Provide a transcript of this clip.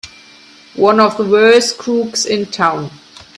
One of the worst crooks in town!